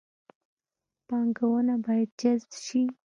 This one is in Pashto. پانګونه باید جذب شي